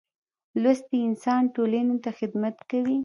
لوستی انسان ټولنې ته خدمت کوي.